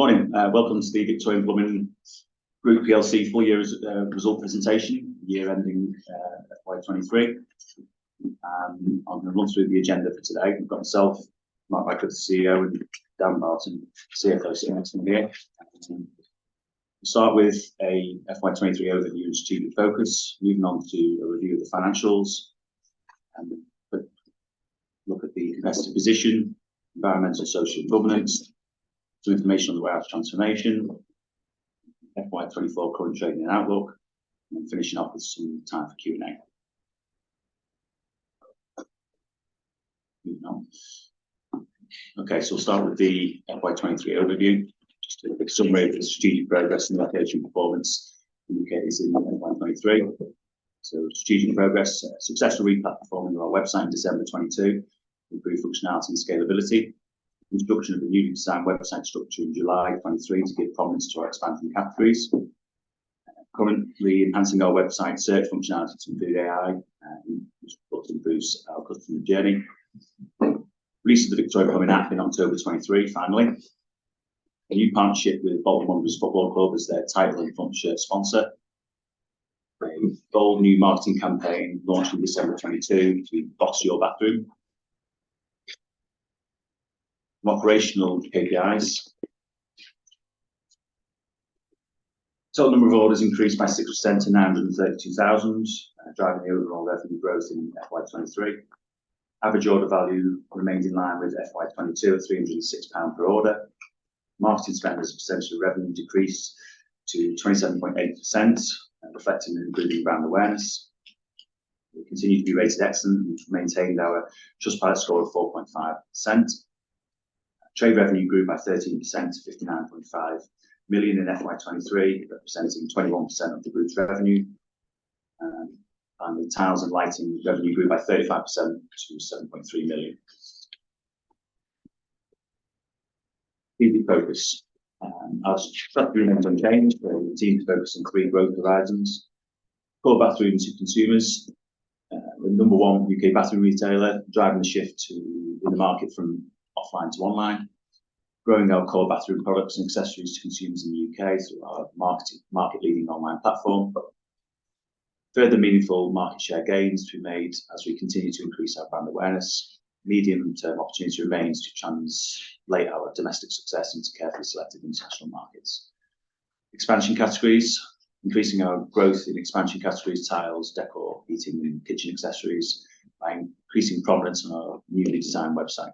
Good morning, welcome to the Victorian Plumbing Group plc full year's result presentation, year ending FY 2023. I'm going to run through the agenda for today. We've got myself, Mark Radcliffe, the CEO, and Dan Barton, CFO here. We'll start with a FY 2023 overview and strategic focus, moving on to a review of the financials, and then a quick look at the investor position, environmental, social, and governance. Some information on the warehouse transformation, FY 2024 current trading and outlook, and then finishing up with some time for Q&A. Okay, so we'll start with the FY 2023 overview. Just a quick summary of the strategic progress and operational performance in the UK in FY 2023. So strategic progress, successful replatforming of our website in December 2022, improved functionality and scalability. Introduction of the newly designed website structure in July 2023 to give prominence to our expanding categories. Currently enhancing our website search functionality to include AI, which will look to boost our customer journey. Release of the Victorian Plumbing app in October 2023, finally. A new partnership with Bolton Wanderers Football Club as their title and front shirt sponsor. A bold new marketing campaign launched in December 2022, Boss Your Bathroom. Operational KPIs. Total number of orders increased by 6% to 932,000, driving the overall revenue growth in FY 2023. Average order value remained in line with FY 2022, at 306 pounds per order. Marketing spend as a percentage of revenue decreased to 27.8%, reflecting an improving brand awareness. We continue to be rated excellent and maintained our Trustpilot score of 4.5%. Trade revenue grew by 13% to 59.5 million in FY 2023, representing 21% of the group's revenue. The tiles and lighting revenue grew by 35% to 7.3 million. Strategic focus. Our strategy remains unchanged, with the team focused on three growth drivers. Core bathroom to consumers. We're the number one U.K. bathroom retailer, driving the shift to the market from offline to online. Growing our core bathroom products and accessories to consumers in the U.K. through our marketing, market-leading online platform. Further meaningful market share gains to be made as we continue to increase our brand awareness. Medium-term opportunity remains to translate our domestic success into carefully selected international markets. Expansion categories. Increasing our growth in expansion categories, tiles, décor, heating, and kitchen accessories, by increasing prominence on our newly designed website.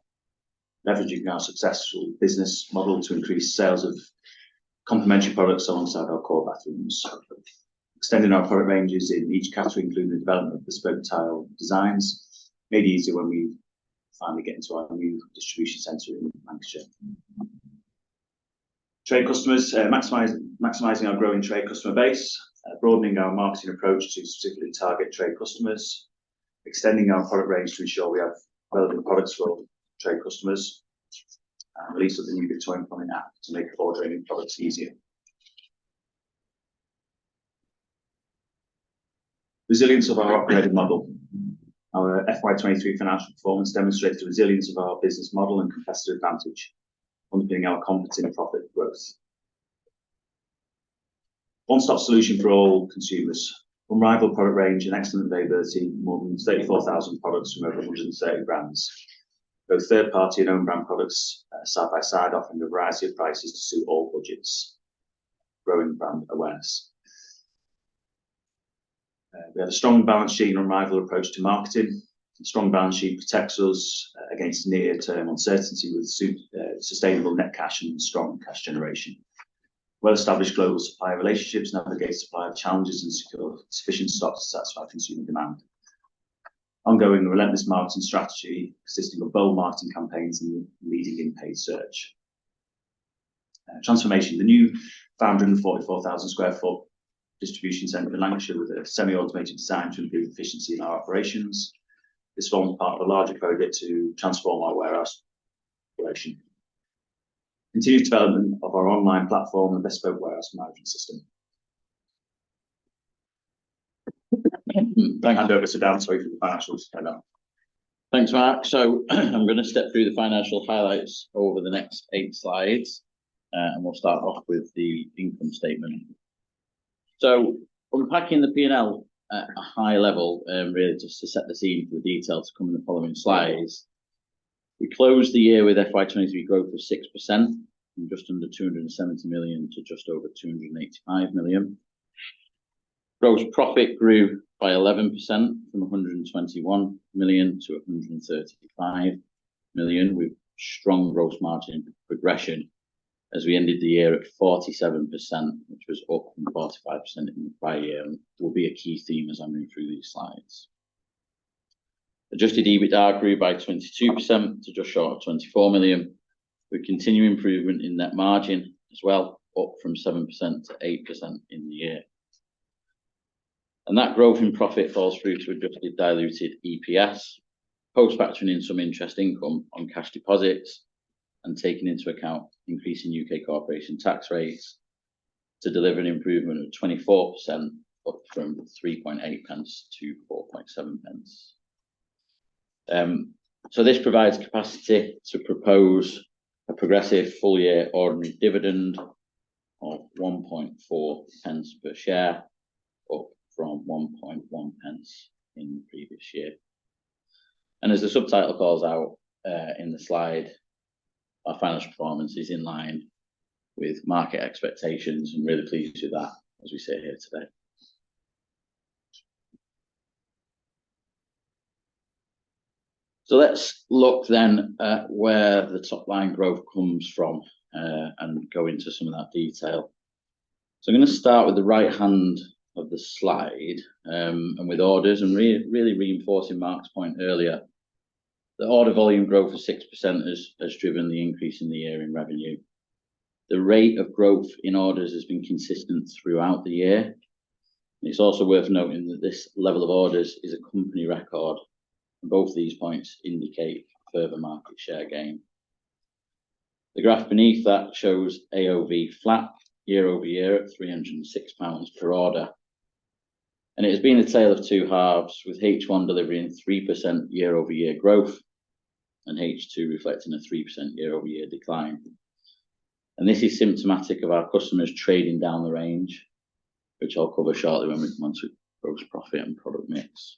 Leveraging our successful business model to increase sales of complementary products alongside our core bathrooms. Extending our product ranges in each category, including the development of bespoke tile designs, made easy when we finally get into our new distribution center in Lancashire. Trade customers, maximize, maximizing our growing trade customer base. Broadening our marketing approach to specifically target trade customers. Extending our product range to ensure we have relevant products for all trade customers. Release of the new Victorian Plumbing app to make ordering products easier. Resilience of our operating model. Our FY 2023 financial performance demonstrates the resilience of our business model and competitive advantage, underpinning our confidence in the profit growth. One-stop solution for all consumers. Unrivaled product range and excellent availability, more than 34,000 products from over 130 brands. Both third-party and own brand products, side by side, offering a variety of prices to suit all budgets. Growing brand awareness. We have a strong balance sheet and unrivaled approach to marketing. Strong balance sheet protects us against near-term uncertainty with sustainable net cash and strong cash generation. Well-established global supplier relationships navigate supplier challenges and secure sufficient stock to satisfy consumer demand. Ongoing relentless marketing strategy, consisting of bold marketing campaigns and leading in paid search. Transformation. The new 444,000 sq ft distribution center in Lancashire, with a semi-automated design to improve efficiency in our operations. This forms part of a larger project to transform our warehouse operation. Continued development of our online platform and bespoke warehouse management system. I'll hand over to Dan, sorry, for the financials now. Thanks, Mark. So I'm going to step through the financial highlights over the next eight slides, and we'll start off with the income statement. So unpacking the P&L at a high level, really just to set the scene for the detail to come in the following slides. We closed the year with FY 2023 growth of 6%, from just under 270 million to just over 285 million. Gross profit grew by 11% from 121 million to 135 million, with strong gross margin progression as we ended the year at 47%, which was up from 45% in the prior year, and will be a key theme as I move through these slides. Adjusted EBITDA grew by 22% to just short of 24 million. We continue improvement in net margin as well, up from 7%-8% in the year. That growth in profit falls through to adjusted diluted EPS, post factoring in some interest income on cash deposits and taking into account increasing U.K. corporation tax rates, to deliver an improvement of 24%, up from 3.8 pence-4.7 pence. So this provides capacity to propose a progressive full-year ordinary dividend of 1.4 pence per share, up from 1.1 pence in the previous year. As the subtitle calls out, in the slide, our financial performance is in line with market expectations. I'm really pleased with that, as we sit here today. So let's look then at where the top-line growth comes from, and go into some of that detail. So I'm going to start with the right hand of the slide, and with orders, and really reinforcing Mark's point earlier. The order volume growth of 6% has driven the increase in the year-end revenue. The rate of growth in orders has been consistent throughout the year. It's also worth noting that this level of orders is a company record, and both these points indicate further market share gain. The graph beneath that shows AOV flat year-over-year at 306 pounds per order, and it has been a tale of two halves, with H1 delivering 3% year-over-year growth and H2 reflecting a 3% year-over-year decline. And this is symptomatic of our customers trading down the range, which I'll cover shortly when we, once we gross profit and product mix.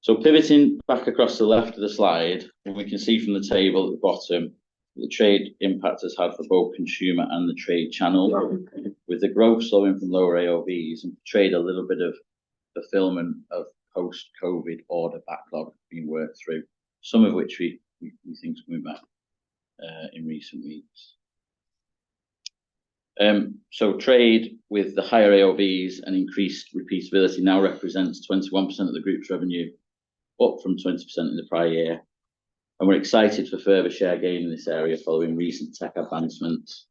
So, pivoting back across the left of the slide, and we can see from the table at the bottom, the trade impact has had for both consumer and the trade channel, with the growth slowing from lower AOVs and trade, a little bit of the fulfillment of post-COVID order backlog being worked through, some of which we think has moved back in recent weeks. So trade with the higher AOVs and increased repeatability now represents 21% of the group's revenue, up from 20% in the prior year, and we're excited for further share gain in this area following recent tech advancements.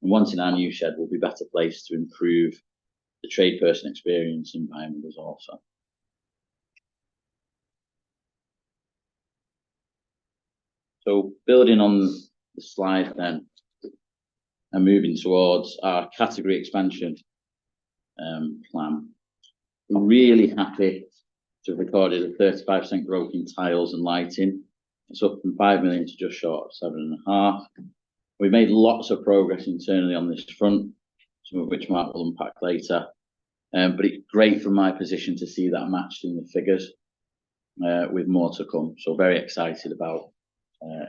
And once in our new shed, we'll be better placed to improve the trade person experience environment as also. So building on the slide then, and moving towards our category expansion plan. We're really happy to have recorded a 35% growth in tiles and lighting. It's up from 5 million to just short of 7.5 million. We've made lots of progress internally on this front, some of which Mark will unpack later, but it's great from my position to see that matched in the figures, with more to come. So very excited about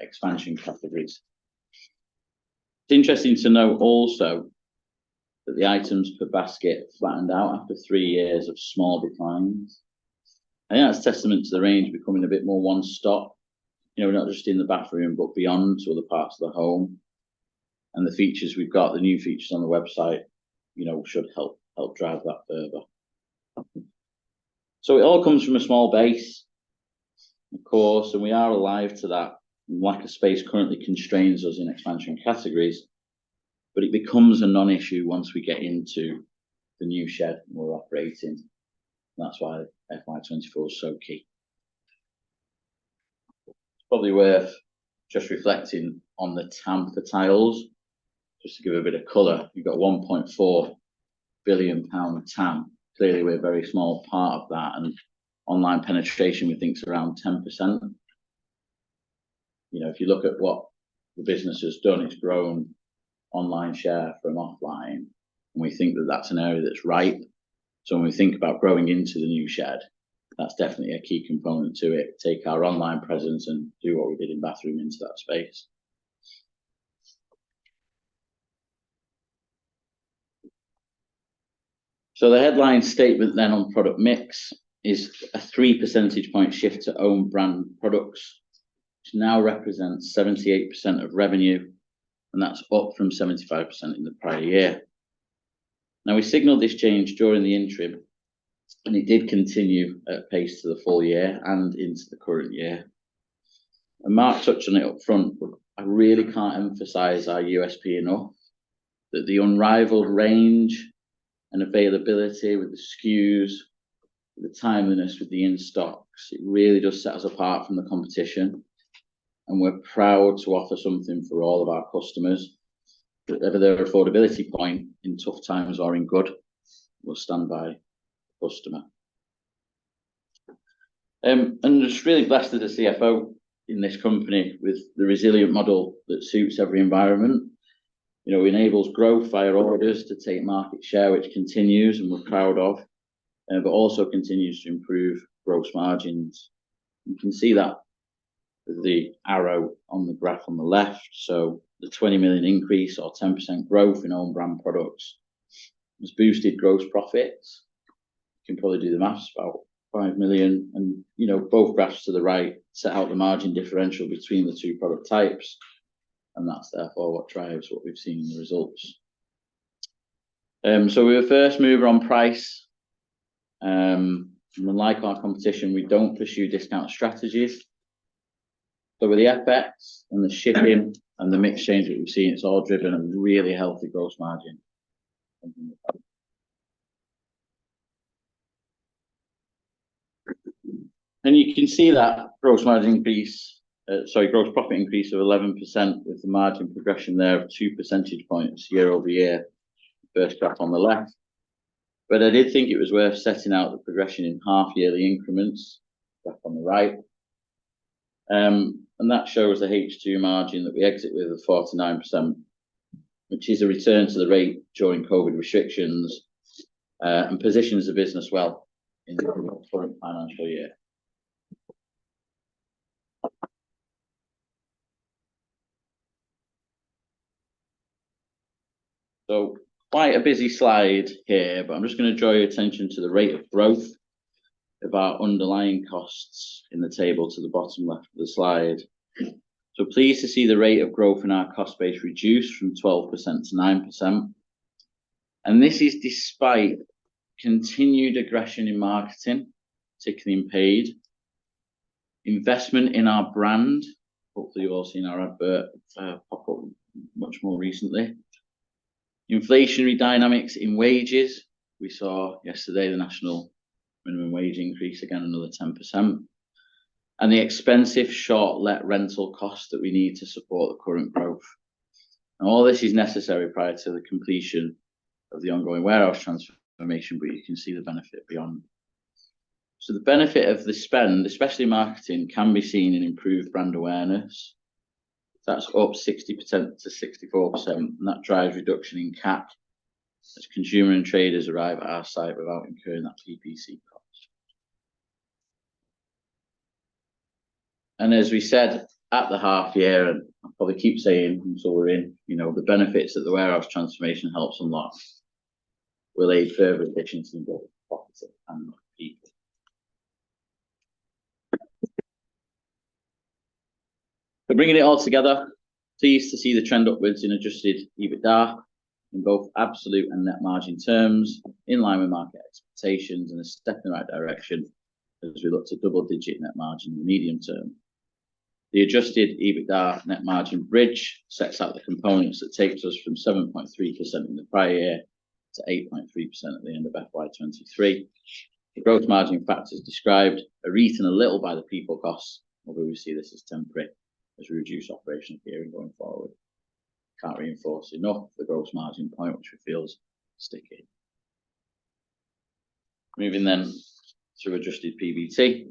expansion categories. It's interesting to note also that the items per basket flattened out after three years of small declines. I think that's a testament to the range becoming a bit more one-stop. You know, not just in the bathroom, but beyond to other parts of the home. And the features we've got, the new features on the website, you know, should help drive that further. So it all comes from a small base, of course, and we are alive to that. Lack of space currently constrains us in expansion categories, but it becomes a non-issue once we get into the new shed we're operating. That's why FY 2024 is so key. It's probably worth just reflecting on the TAM for tiles. Just to give a bit of color, you've got 1.4 billion pound TAM. Clearly, we're a very small part of that, and online penetration, we think, is around 10%. You know, if you look at what the business has done, it's grown online share from offline, and we think that that's an area that's ripe. So when we think about growing into the new shed, that's definitely a key component to it. Take our online presence and do what we did in bathroom into that space. So the headline statement then on product mix is a three percentage point shift to own brand products, which now represents 78% of revenue, and that's up from 75% in the prior year. Now, we signaled this change during the interim, and it did continue at pace to the full year and into the current year. And Mark touched on it up front, but I really can't emphasize our USP enough, that the unrivaled range and availability with the SKUs, the timeliness with the in-stocks, it really does set us apart from the competition, and we're proud to offer something for all of our customers. Whatever their affordability point in tough times or in good, we'll stand by the customer. And just really blessed as a CFO in this company with the resilient model that suits every environment. You know, enables growth via orders to take market share, which continues, and we're proud of, but also continues to improve gross margins. You can see that with the arrow on the graph on the left. So the 20 million increase or 10% growth in own brand products has boosted gross profits. You can probably do the math, about 5 million, and, you know, both graphs to the right set out the margin differential between the two product types, and that's therefore what drives what we've seen in the results. So we were first mover on price, and unlike our competition, we don't pursue discount strategies. But with the FX and the shipping and the mix change that we've seen, it's all driven a really healthy gross margin. You can see that gross margin increase, sorry, gross profit increase of 11% with the margin progression there of two percentage points year-over-year. First graph on the left... but I did think it was worth setting out the progression in half-yearly increments, graph on the right. And that shows the H2 margin that we exit with of 49%, which is a return to the rate during COVID restrictions, and positions the business well in the current financial year. Quite a busy slide here, but I'm just gonna draw your attention to the rate of growth of our underlying costs in the table to the bottom left of the slide. So pleased to see the rate of growth in our cost base reduce from 12% to 9%, and this is despite continued aggression in marketing, particularly in paid, investment in our brand. Hopefully, you've all seen our advert pop up much more recently. Inflationary dynamics in wages. We saw yesterday the National Minimum Wage increase again, another 10%, and the expensive short-let rental costs that we need to support the current growth. And all this is necessary prior to the completion of the ongoing warehouse transformation, but you can see the benefit beyond. So the benefit of the spend, especially marketing, can be seen in improved brand awareness. That's up 60% to 64%, and that drives reduction in CAC as consumer and traders arrive at our site without incurring that PPC cost. As we said at the half year, and I'll probably keep saying until we're in, you know, the benefits that the warehouse transformation helps unlock will aid further growth in both profits and repeat. So bringing it all together, pleased to see the trend upwards in adjusted EBITDA in both absolute and net margin terms, in line with market expectations and a step in the right direction as we look to double-digit net margin in the medium term. The adjusted EBITDA net margin bridge sets out the components that takes us from 7.3% in the prior year to 8.3% at the end of FY 2023. The growth margin factors described are eaten a little by the people costs, although we see this as temporary as we reduce operational gearing going forward. Can't reinforce enough the gross margin point, which we feel is sticking. Moving then to adjusted PBT.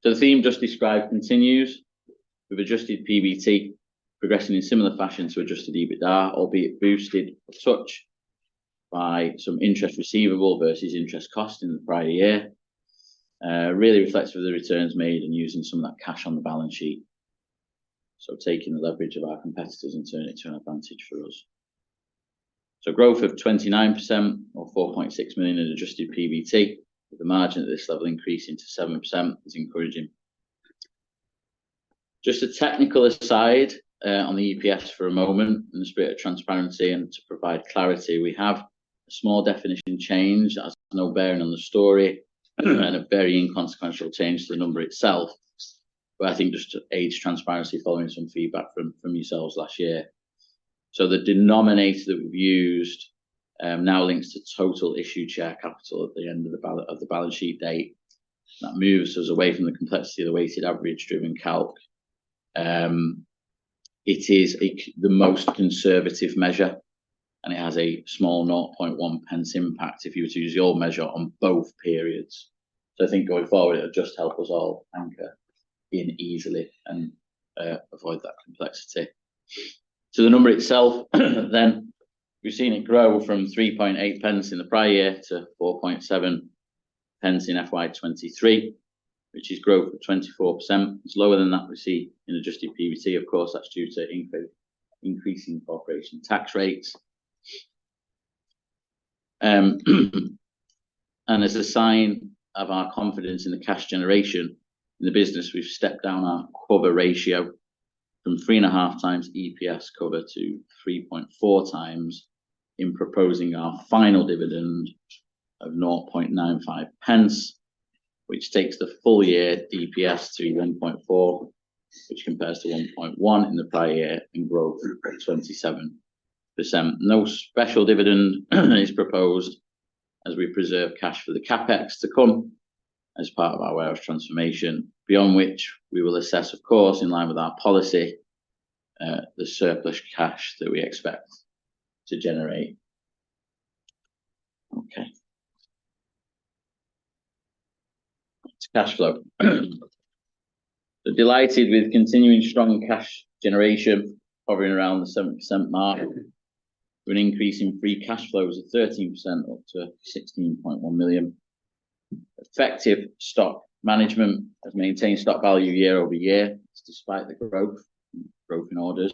So the theme just described continues, with adjusted PBT progressing in similar fashion to adjusted EBITDA, albeit boosted as such by some interest receivable versus interest cost in the prior year. Really reflects with the returns made in using some of that cash on the balance sheet. So taking the leverage of our competitors and turning it to an advantage for us. So growth of 29% or 4.6 million in adjusted PBT, with the margin at this level increasing to 7%, is encouraging. Just a technical aside, on the EPS for a moment and a spirit of transparency, and to provide clarity, we have a small definition change that has no bearing on the story, and a very inconsequential change to the number itself, but I think just to aid transparency following some feedback from yourselves last year. So the denominator that we've used now links to total issued share capital at the end of the balance sheet date. That moves us away from the complexity of the weighted average-driven calc. It is the most conservative measure, and it has a small 0.001 impact if you were to use your measure on both periods. So I think going forward, it'll just help us all anchor in easily and avoid that complexity. So the number itself, then, we've seen it grow from 0.038 in the prior year to 0.047 in FY 2023, which is growth of 24%. It's lower than that we see in adjusted PBT. Of course, that's due to increasing corporation tax rates. And as a sign of our confidence in the cash generation in the business, we've stepped down our cover ratio from 3.5x EPS cover to 3.4x in proposing our final dividend of 0.95 pence, which takes the full year DPS to 1.4, which compares to 1.1 in the prior year and growth of 27%. No special dividend is proposed as we preserve cash for the CapEx to come as part of our warehouse transformation, beyond which we will assess, of course, in line with our policy, the surplus cash that we expect to generate. Okay. To cash flow. So delighted with continuing strong cash generation, hovering around the 7% mark, with an increase in free cash flows of 13%, up to 16.1 million. Effective stock management has maintained stock value year-over-year, despite the growth, growth in orders,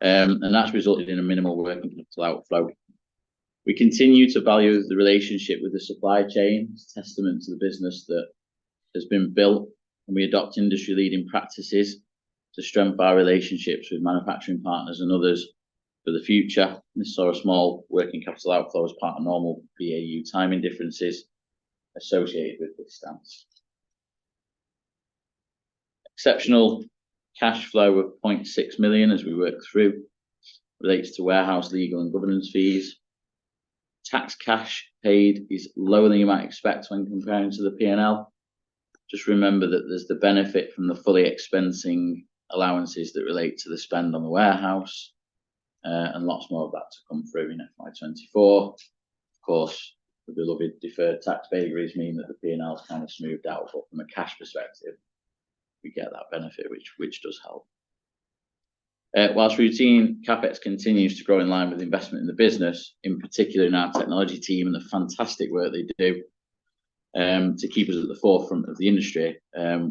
and that's resulted in a minimal working capital outflow. We continue to value the relationship with the supply chain. It's a testament to the business that has been built, and we adopt industry-leading practices to strengthen our relationships with manufacturing partners and others for the future. This saw a small working capital outflow as part of normal BAU timing differences associated with this stance. Exceptional cash flow of 0.6 million, as we work through, relates to warehouse, legal, and governance fees. Tax cash paid is lower than you might expect when comparing to the P&L. Just remember that there's the benefit from the fully expensing allowances that relate to the spend on the warehouse, and lots more of that to come through in FY 2024. Of course, the beloved deferred tax balances mean that the P&L has kind of smoothed out, but from a cash perspective, we get that benefit, which, which does help. While routine CapEx continues to grow in line with the investment in the business, in particular in our technology team and the fantastic work they do, to keep us at the forefront of the industry,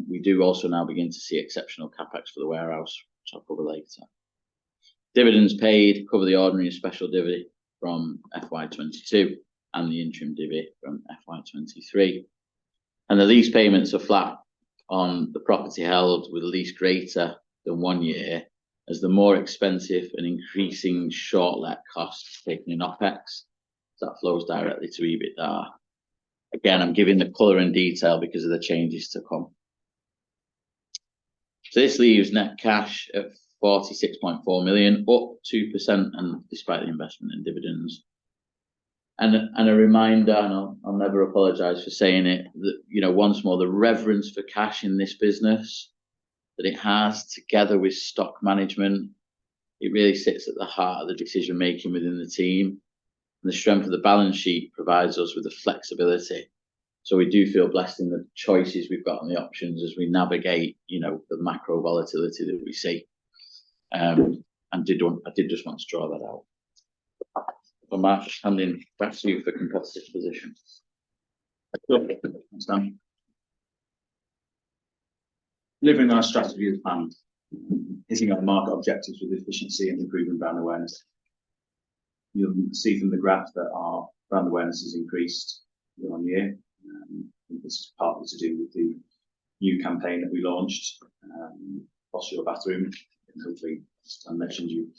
we do also now begin to see exceptional CapEx for the warehouse, which I'll cover later. Dividends paid cover the ordinary and special dividend from FY 2022 and the interim dividend from FY 2023. And the lease payments are flat on the property held, with a lease greater than one year, as the more expensive and increasing short let costs taken in OpEx, that flows directly to EBITDA. Again, I'm giving the color and detail because of the changes to come. So this leaves net cash at 46.4 million, up 2%, and despite the investment in dividends. And a reminder, and I'll never apologize for saying it, that, you know, once more, the reverence for cash in this business, that it has, together with stock management, it really sits at the heart of the decision-making within the team. The strength of the balance sheet provides us with the flexibility, so we do feel blessed in the choices we've got and the options as we navigate, you know, the macro volatility that we see. I did just want to draw that out. From our understanding, back to you for competitive positions. Thanks, Dan. Delivering our strategy as planned, hitting our marketing objectives with efficiency and improving brand awareness. You'll see from the graphs that our brand awareness has increased year-over-year. This is partly to do with the new campaign that we launched, Boss Your Bathroom, and hopefully, as I mentioned, you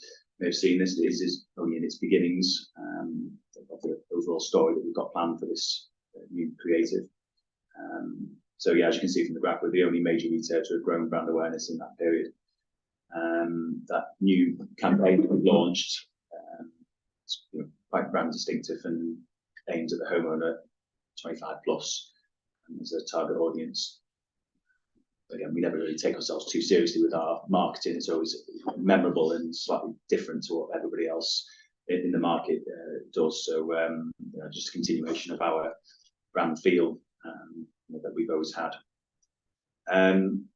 may have seen this. This is only in its beginnings, of the overall story that we've got planned for this new creative. So yeah, as you can see from the graph, we're the only major retailer to have grown brand awareness in that period. That new campaign we've launched, it's, you know, quite brand distinctive and aimed at the homeowner, 25+, as a target audience. But again, we never really take ourselves too seriously with our marketing. It's always memorable and slightly different to what everybody else in the market does. So, you know, just a continuation of our brand feel that we've always had.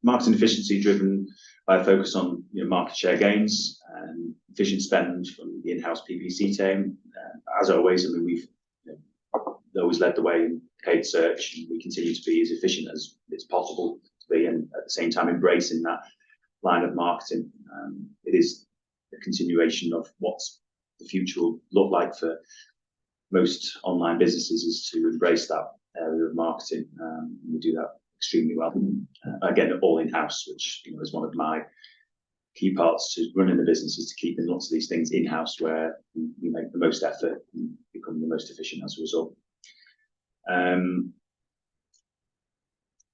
Marketing efficiency driven by a focus on, you know, market share gains and efficient spend from the in-house PPC team. As always, I mean, we've you know, always led the way in paid search, and we continue to be as efficient as is possible to be, and at the same time, embracing that line of marketing. It is a continuation of what's the future will look like for most online businesses, is to embrace that area of marketing. We do that extremely well. Again, all in-house, which, you know, is one of my key parts to running the business, is to keeping lots of these things in-house, where we make the most effort and become the most efficient as a result.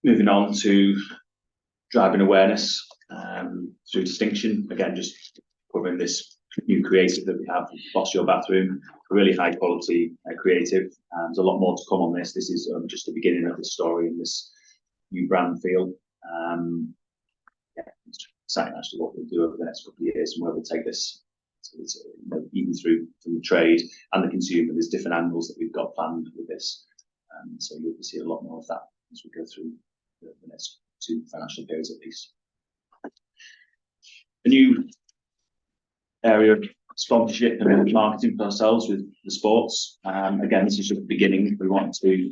Moving on to driving awareness, through distinction. Again, just putting this new creative that we have, Boss Your Bathroom, really high quality, creative, and there's a lot more to come on this. This is, just the beginning of the story and this new brand feel. Yeah, exciting as to what we'll do over the next couple of years and where we'll take this, you know, even through from the trade and the consumer. There's different angles that we've got planned with this, so you'll see a lot more of that as we go through the next two financial periods at least. A new area of sponsorship and marketing for ourselves with the sports. Again, this is just the beginning. We want to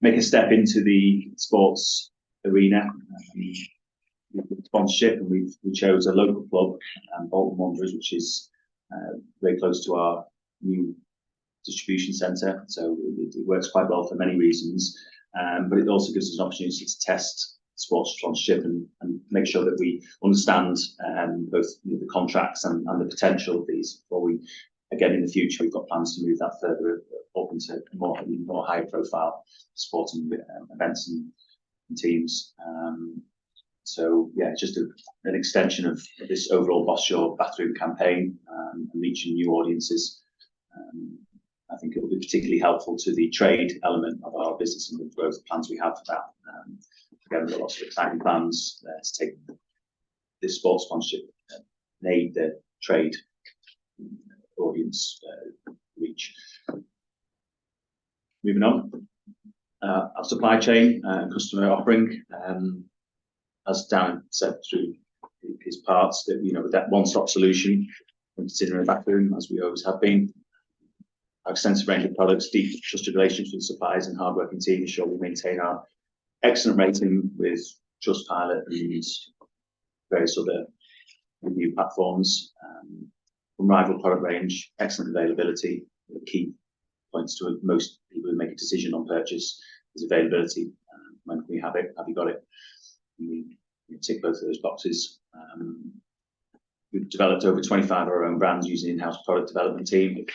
make a step into the sports arena, with sponsorship, and we've, we chose a local club, Bolton Wanderers, which is, very close to our new distribution center, so it, it works quite well for many reasons. But it also gives us an opportunity to test sports sponsorship and, and make sure that we understand, both the contracts and, and the potential of these. But we, again, in the future, we've got plans to move that further up into more, more high-profile sporting events and teams. So yeah, just a, an extension of this overall Boss Your Bathroom campaign, and reaching new audiences. I think it will be particularly helpful to the trade element of our business and the growth plans we have for that. Again, we've got lots of exciting plans to take this sports sponsorship and aid the trade audience reach. Moving on, our supply chain and customer offering, as Dan said through his parts, that, you know, that one-stop solution when considering a bathroom, as we always have been. Our extensive range of products, deep trusted relationships with suppliers and hardworking team ensure we maintain our excellent rating with Trustpilot and these various other review platforms. Unrivaled product range, excellent availability, the key points to most people who make a decision on purchase is availability. When we have it, have you got it? We tick both of those boxes. We've developed over 25 of our own brands using in-house product development team,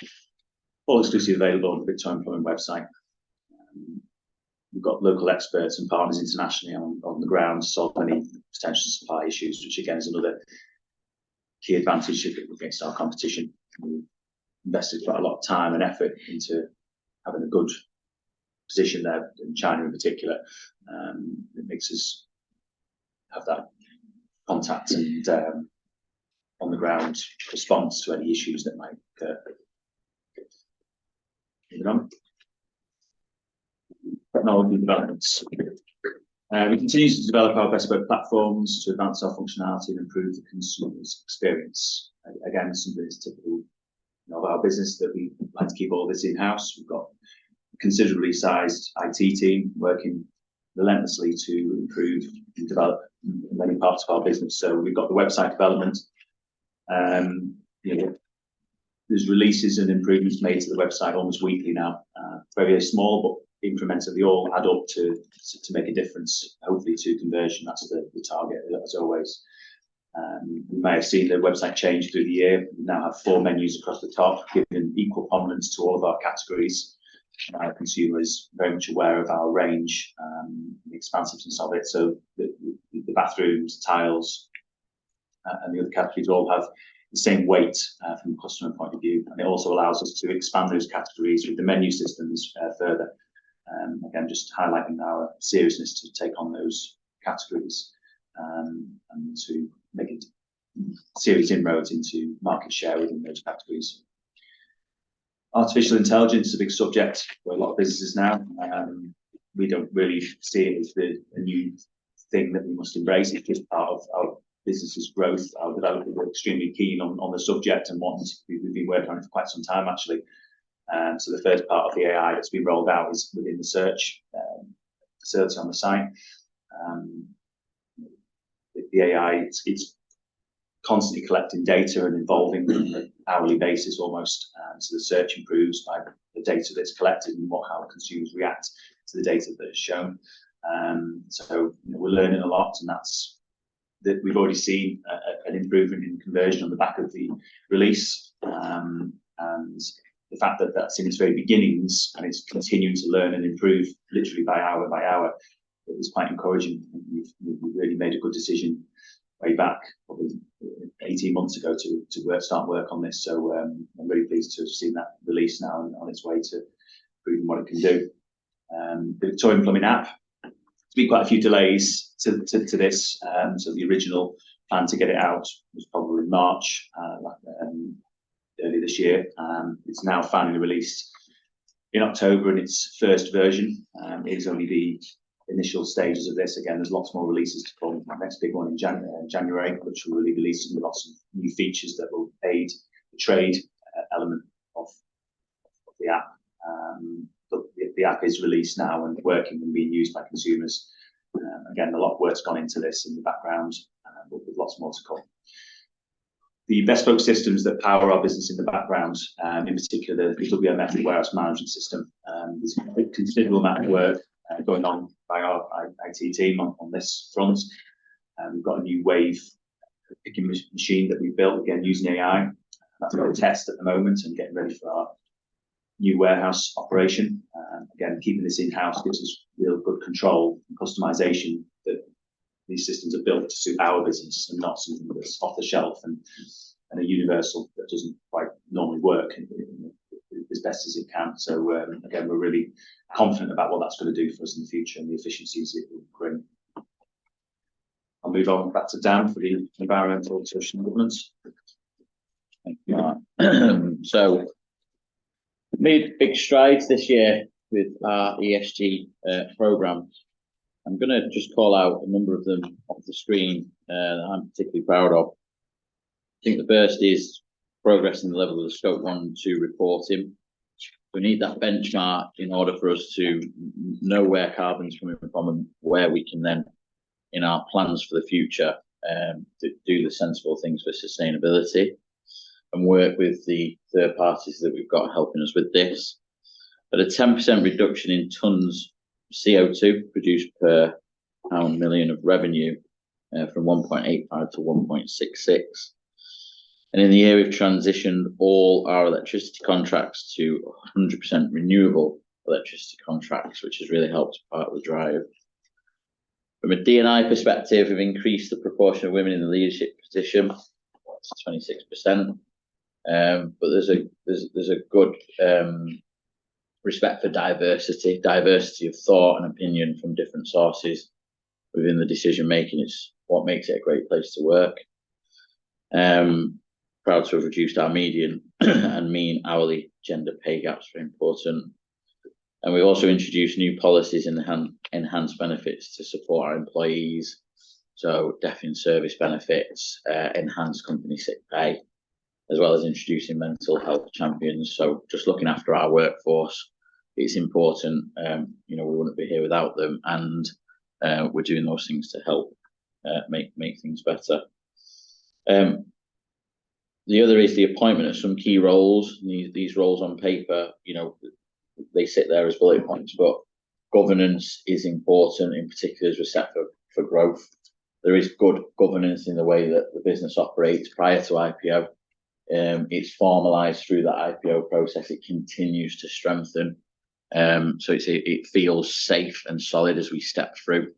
all exclusively available on the Victorian Plumbing website. We've got local experts and partners internationally on the ground to solve any potential supply issues, which again, is another key advantage against our competition. We've invested quite a lot of time and effort into having a good position there, in China in particular, it makes us have that contact and on the ground response to any issues that might occur. Moving on. Technology developments. We continue to develop our bespoke platforms to advance our functionality and improve the consumer's experience. Again, some of this typical of our business, that we like to keep all this in-house. We've got a considerably sized IT team working relentlessly to improve and develop many parts of our business. So we've got the website development, you know, there's releases and improvements made to the website almost weekly now. Very small, but incrementally, they all add up to make a difference, hopefully, to conversion. That's the target, as always. You may have seen the website change through the year. We now have four menus across the top, giving equal prominence to all of our categories. Consumer is very much aware of our range, the expansiveness of it. So the bathrooms, tiles, and the other categories all have the same weight, from a customer point of view, and it also allows us to expand those categories with the menu systems, further. Again, just highlighting our seriousness to take on those categories, and to make serious inroads into market share within those categories. Artificial intelligence is a big subject for a lot of businesses now. We don't really see it as a new thing that we must embrace. It's just part of our business's growth, our development. We're extremely keen on the subject, and one we've been working on it for quite some time, actually. So the first part of the AI that's been rolled out is within the search on the site. The AI, it's constantly collecting data and evolving on an hourly basis, almost. So the search improves by the data that's collected and how our consumers react to the data that is shown. So we're learning a lot, and that's the. We've already seen an improvement in conversion on the back of the release. And the fact that that's in its very beginnings, and it's continuing to learn and improve literally by hour by hour, it's quite encouraging. We've really made a good decision way back, probably 18 months ago, to start work on this. So, I'm really pleased to have seen that release now on its way to proving what it can do. The Victorian Plumbing app, there's been quite a few delays to this. So the original plan to get it out was probably March, like, early this year. It's now finally released in October, in its first version. It's only the initial stages of this. Again, there's lots more releases to come. Next big one in January, which will be releasing with lots of new features that will aid the trade element of the app. But the app is released now and working and being used by consumers. Again, a lot of work's gone into this in the background, but with lots more to come. The bespoke systems that power our business in the background, in particular, the bespoke warehouse management system, there's a considerable amount of work going on by our IT team on this front. We've got a new wave picking machine that we've built, again, using AI. That's under test at the moment and getting ready for our new warehouse operation. Again, keeping this in-house gives us real good control and customization, that these systems are built to suit our business and not something off the shelf and a universal that doesn't quite normally work as best as it can. So, again, we're really confident about what that's going to do for us in the future and the efficiencies it will bring. I'll move on back to Dan for the environmental and social movements. Thank you, Mark. So we made big strides this year with our ESG program. I'm gonna just call out a number of them on the screen, I'm particularly proud of. I think the first is progressing the level of the Scope 1 and 2 reporting. We need that benchmark in order for us to know where carbon's coming from, and where we can then, in our plans for the future, do the sensible things for sustainability, and work with the third parties that we've got helping us with this. But a 10% reduction in tons of CO2 produced per million of revenue, from 1.85 to 1.66. In the year, we've transitioned all our electricity contracts to 100% renewable electricity contracts, which has really helped to power the drive. From a D&I perspective, we've increased the proportion of women in the leadership position to 26%. But there's a good respect for diversity, diversity of thought and opinion from different sources within the decision-making. It's what makes it a great place to work. Proud to have reduced our median and mean hourly gender pay gaps are important. And we also introduced new policies and enhanced benefits to support our employees. So death in service benefits, enhanced company sick pay, as well as introducing mental health champions. So just looking after our workforce, it's important. You know, we wouldn't be here without them, and we're doing those things to help make things better. The other is the appointment of some key roles. These roles on paper, you know, they sit there as bullet points, but governance is important, in particular, as we set up for growth. There is good governance in the way that the business operates. Prior to IPO, it's formalized through that IPO process. It continues to strengthen, so it feels safe and solid as we step through.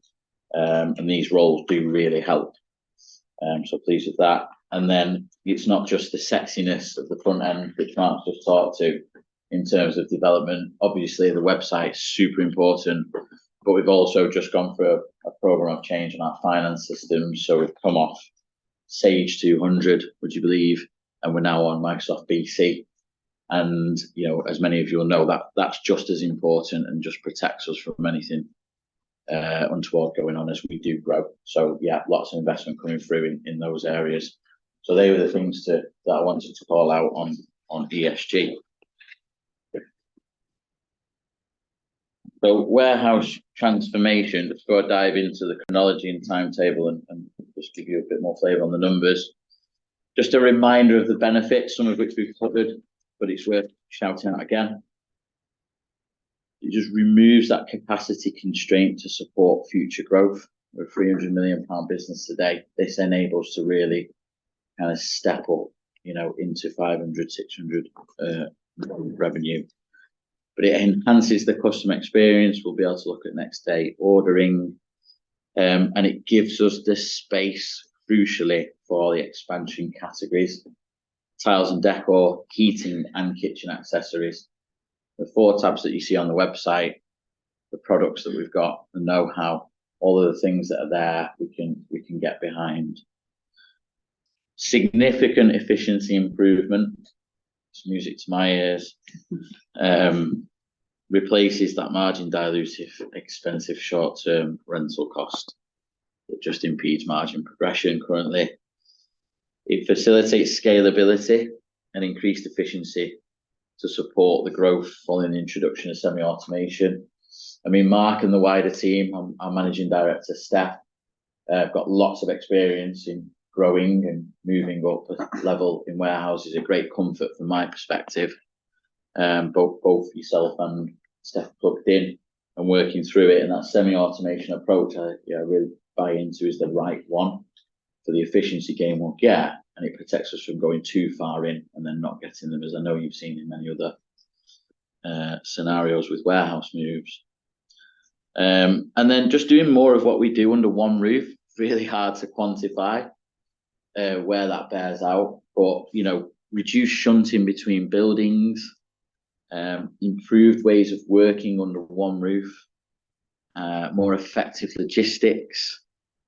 And these roles do really help. I'm so pleased with that. And then it's not just the sexiness of the front end that Mark just talked to in terms of development. Obviously, the website's super important, but we've also just gone through a program of change in our finance systems. So we've come off Sage 200, would you believe? And we're now on Microsoft BC. And, you know, as many of you will know, that that's just as important and just protects us from anything untoward going on as we do grow. So yeah, lots of investment coming through in those areas. So they were the things that I wanted to call out on ESG. The warehouse transformation. Let's go dive into the chronology and timetable and just to give you a bit more flavor on the numbers. Just a reminder of the benefits, some of which we've covered, but it's worth shouting out again. It just removes that capacity constraint to support future growth. We're a 300 million pound business today. This enables to really kind of step up, you know, into 500 million, 600 million revenue. But it enhances the customer experience. We'll be able to look at next day ordering, and it gives us the space, crucially, for the expansion categories, tiles and decor, heating, and kitchen accessories. The four tabs that you see on the website, the products that we've got, the know-how, all of the things that are there, we can, we can get behind. Significant efficiency improvement. It's music to my ears. Replaces that margin, dilutive, expensive, short-term rental cost that just impedes margin progression currently. It facilitates scalability and increased efficiency to support the growth following the introduction of semi-automation. I mean, Mark and the wider team, our Managing Director, Steph, have got lots of experience in growing and moving up a level in warehouses. A great comfort from my perspective. Both, both yourself and Steph plugged in and working through it, and that semi-automation approach, I really buy into is the right one for the efficiency gain we'll get, and it protects us from going too far in and then not getting them, as I know you've seen in many other scenarios with warehouse moves. And then just doing more of what we do under one roof. Really hard to quantify where that bears out, but, you know, reduced shunting between buildings, improved ways of working under one roof, more effective logistics.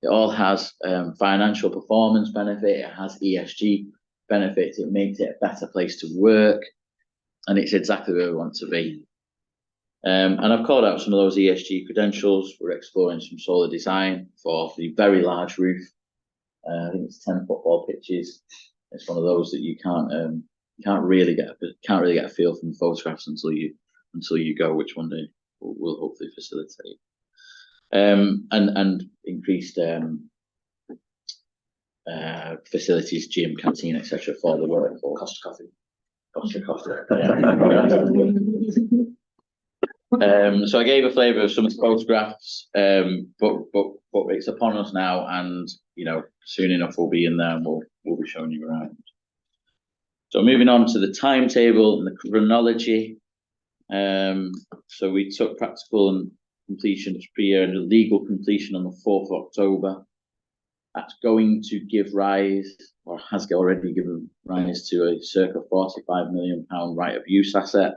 It all has financial performance benefit, it has ESG benefits. It makes it a better place to work, and it's exactly where we want to be. And I've called out some of those ESG credentials. We're exploring some solar design for the very large roof. I think it's 10 football pitches. It's one of those that you can't really get a feel from the photographs until you go, which one day we'll hopefully facilitate. Increased facilities, gym, canteen, et cetera, for the work. Costa Coffee. Costa Coffee. So I gave a flavor of some of the photographs, but it's upon us now, and, you know, soon enough we'll be in there, and we'll be showing you around. So moving on to the timetable and the chronology. So we took practical completion this year, and a legal completion on the fourth of October. That's going to give rise, or has already given rise to a circa 45 million pound right of use asset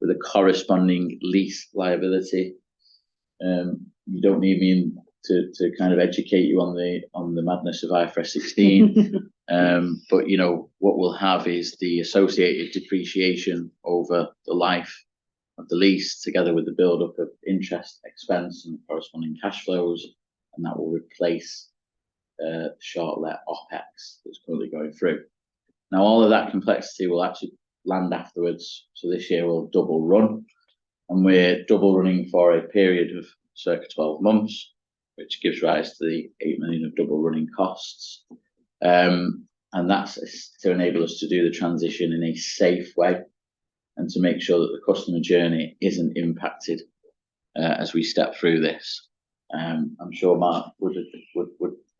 with a corresponding lease liability. You don't need me to kind of educate you on the madness of IFRS 16. But you know, what we'll have is the associated depreciation over the life of the lease, together with the buildup of interest, expense, and corresponding cash flows, and that will replace the short let OpEx that's currently going through. Now, all of that complexity will actually land afterwards, so this year will double run, and we're double running for a period of circa 12 months, which gives rise to the 8 million of double running costs. And that's to enable us to do the transition in a safe way and to make sure that the customer journey isn't impacted as we step through this. I'm sure Mark would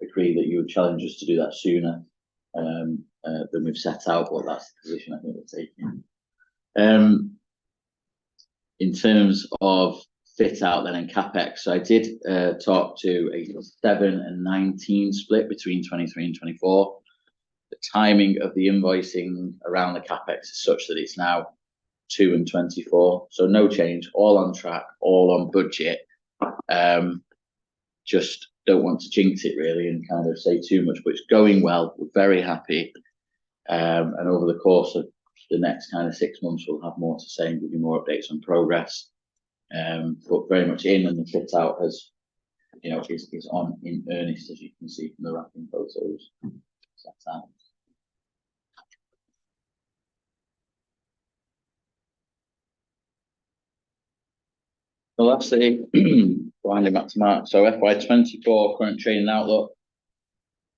agree that you would challenge us to do that sooner than we've set out, but that's the position I think we're taking. In terms of fit out then and CapEx, so I did talk to a seven and 19 split between 2023 and 2024. The timing of the invoicing around the CapEx is such that it's now two and 2024, so no change. All on track, all on budget. Just don't want to jinx it really and kind of say too much, but it's going well. We're very happy. And over the course of the next kind of six months, we'll have more to say and give you more updates on progress. But very much in and the fit out has, you know, is on in earnest, as you can see from the wrapping photos set out. Well, that's the winding up to Mark. So FY 2024 current trading outlook.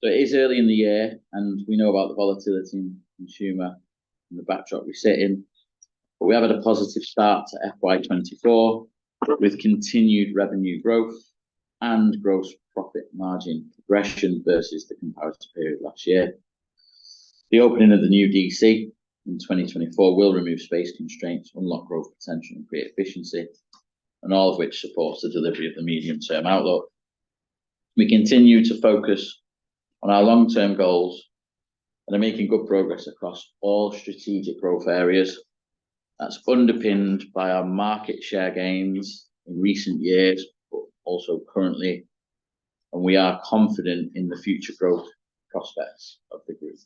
So it is early in the year, and we know about the volatility in consumer and the backdrop we sit in. But we have had a positive start to FY 2024, with continued revenue growth and gross profit margin progression versus the comparative period last year. The opening of the new DC in 2024 will remove space constraints, unlock growth potential, and create efficiency, and all of which supports the delivery of the medium-term outlook. We continue to focus on our long-term goals and are making good progress across all strategic growth areas. That's underpinned by our market share gains in recent years, but also currently, and we are confident in the future growth prospects of the group.